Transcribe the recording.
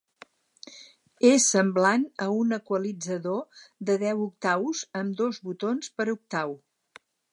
És semblant a un equalitzador de deu octaus amb dos botons per octau.